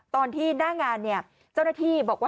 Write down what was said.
ตอนที่หน้างานเนี่ยเจ้าหน้าที่บอกว่า